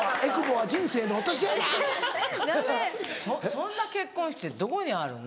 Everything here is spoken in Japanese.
そんな結婚式ってどこにあるの？